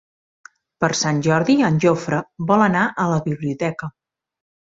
Per Sant Jordi en Jofre vol anar a la biblioteca.